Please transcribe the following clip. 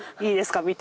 いいですか？